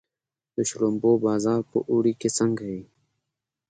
د شړومبو بازار په اوړي کې څنګه وي؟